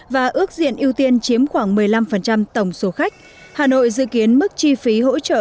và ước diện ưu tiên chiếm khoảng một mươi năm tổng số khách hà nội dự kiến mức chi phí hỗ trợ